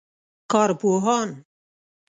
کارپوهان